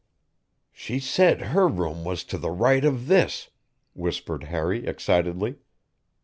"She said her room was to the right of this," whispered Harry excitedly.